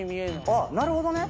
あっなるほどね。